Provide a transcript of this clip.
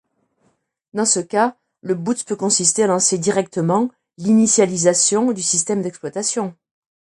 Dans ce cas, le boot peut consister à lancer directement l’initialisation du système d’exploitation.